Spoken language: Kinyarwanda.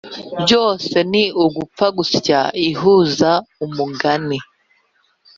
byose ni gupfa gusya ihuza umugani